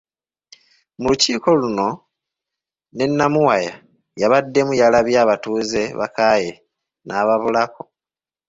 Mu lukiiko luno ne Namuwaya yabaddemu yalabye abatuuze bakaaye n’ababulako.